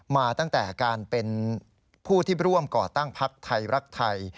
มาตั้งแต่การเป็นผู้ที่ร่วมก่อตั้งพักไทยรักไทย